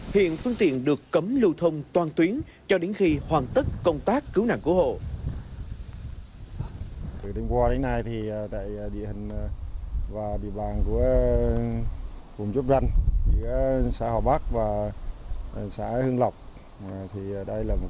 hiện phương tiện được cấm lưu thông toàn tuyến cho đến khi hoàn tất công tác cứu hộ gặp rất nhiều khó khăn